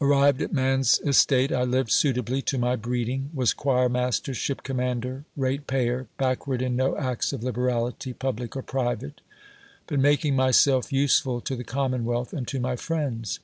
Arrived at man's es tate, I lived suitably to my breeding; was choir master, ship commander, rate payer; backward in no acts of liberality public or private, but making myself useful to the commonwealth and to my friends.